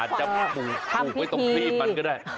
จะผูกไว้ตรงครีบมันก็ได้